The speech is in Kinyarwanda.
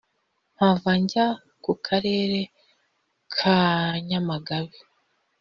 mpava njya mu Karere ka Nyamagabe